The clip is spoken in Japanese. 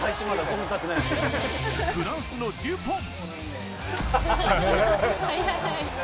フランスのデュポン。